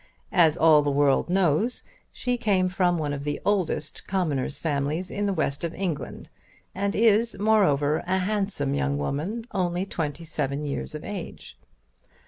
As all the world knows she came from one of the oldest Commoner's families in the West of England, and is, moreover, a handsome young woman, only twenty seven years of age.